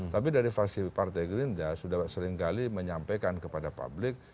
tapi dari fraksi partai gerindra sudah seringkali menyampaikan kepada publik